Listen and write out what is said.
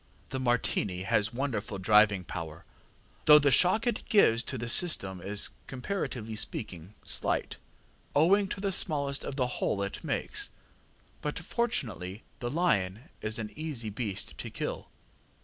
The Martini has wonderful driving power, though the shock it gives to the system is, comparatively speaking, slight, owing to the smallness of the hole it makes. But fortunately the lion is an easy beast to kill.